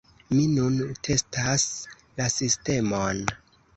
Mi nun testas la sistemon.